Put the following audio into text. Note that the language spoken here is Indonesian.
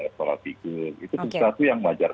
sekolah figur itu sesuatu yang wajar